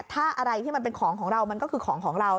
ถ้าอะไรที่มันเป็นของของเรามันก็คือของของเรา